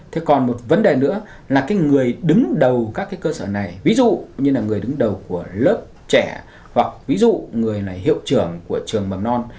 thế còn một vấn đề nữa là cái người đứng đầu các cái cơ sở này ví dụ như là người đứng đầu của lớp trẻ hoặc ví dụ người là hiệu trưởng của trường mầm non